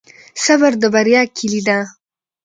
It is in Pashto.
صبر د بریا کلي ده.